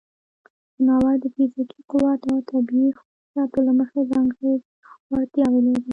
ځناور د فزیکي قوت او طبیعی خصوصیاتو له مخې ځانګړې وړتیاوې لري.